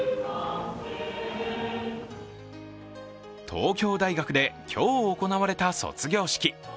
東京大学で今日、行われた卒業式。